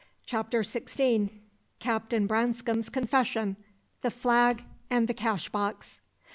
CHAPTER XVI. CAPTAIN BRANSCOME'S CONFESSION THE FLAG AND THE CASHBOX.